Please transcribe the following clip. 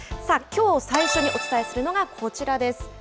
きょう最初にお伝えするのが、こちらです。